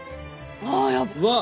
ああやっぱ。